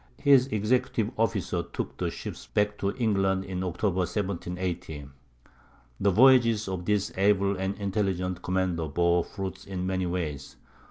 His executive officer took the ships back to England in October, 1780. The voyages of this able and intelligent commander bore fruit in many ways.